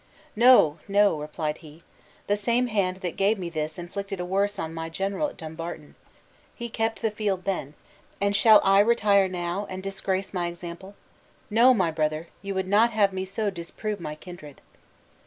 "No, no," replied he; "the same hand that gave me this, inflicted a worse on my general at Dumbarton: he kept the field then; and shall I retire now, and disgrace my example? No, my brother; you would not have me so disprove my kindred!"